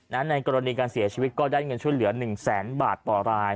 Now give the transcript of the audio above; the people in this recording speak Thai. ในกรณีการเสียชีวิตก็ได้เงินช่วยเหลือ๑แสนบาทต่อราย